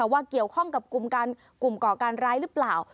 ว่าเกี่ยวข้องกับกลุ่มก่อการร้ายหรือเปล่า